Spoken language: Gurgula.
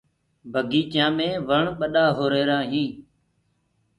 بگيچآ مي وڻ ٻڏآ هو رهيرآ هينٚ۔